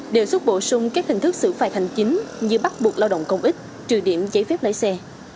đề xuất bổ sung các hình thức xử phạt hành chính như bắt buộc lao động công ích trừ điểm giấy phép lái xe